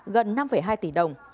gần năm hai tỷ đồng